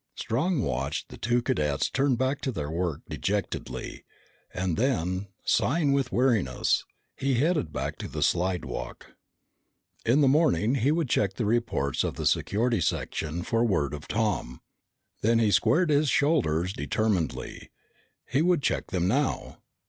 Strong watched the two cadets turn back to their work dejectedly, and then, sighing with weariness, he headed back to the slidewalk. In the morning he would check the reports of the Security Section for word of Tom. Then he squared his shoulders determinedly. He would check them now!